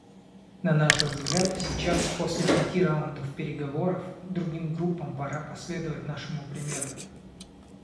На наш взгляд, сейчас, после пяти раундов переговоров, другим группам пора последовать нашему примеру.